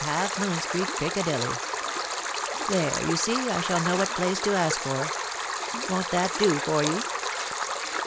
Half Moon Street, Piccadilly. There, you see, I shall know what place to ask for. Wo'n't that do for you